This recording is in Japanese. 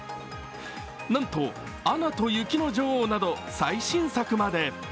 なんと「アナと雪の女王」など最新作まで。